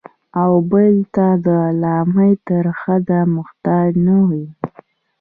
او بل ته د غلامۍ تر حده محتاج نه وي.